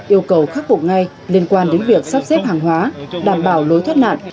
yêu cầu khắc phục ngay liên quan đến việc sắp xếp hàng hóa đảm bảo lối thoát nạn